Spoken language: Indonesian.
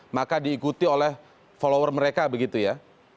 maka diikuti oleh follower mereka begitu ya